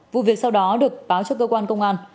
vụ việc sau đó được báo cho cơ quan công an